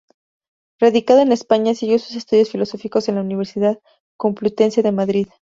Radicado en España, siguió sus estudios filosóficos en la Universidad Complutense de Madrid.